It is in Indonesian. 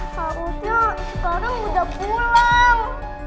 harusnya sekarang udah pulang